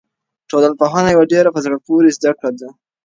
ټولنپوهنه یوه ډېره په زړه پورې زده کړه ده.